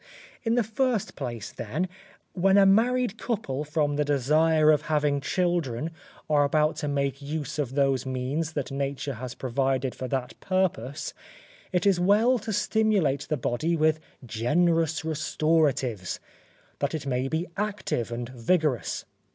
In the first place, then, when a married couple from the desire of having children are about to make use of those means that Nature has provided for that purpose, it is well to stimulate the body with generous restoratives, that it may be active and vigorous.